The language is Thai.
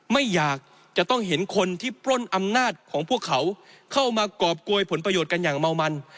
ไม่อยากจะต้องเห็นคนที่ปล้นอำนาจของพวกเขาเข้ามากรอบโกยผลประโยชน์กันอย่างเมามัน